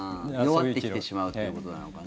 弱ってきてしまうということなのかな。